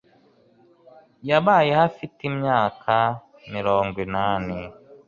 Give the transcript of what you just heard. yabayeho afite imyaka mirongo inani